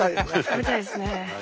食べたいですね。